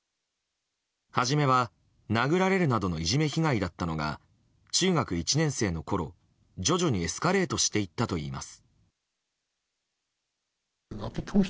初めは殴られるなどのいじめ被害だったのが中学１年生のころ徐々にエスカレートしていったといいます。